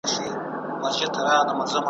ښکاري کله وي په غم کي د مرغانو ,